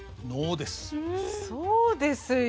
そうですよ